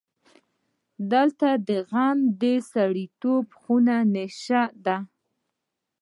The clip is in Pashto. دلته غم د سړیتوب خانه نشین دی.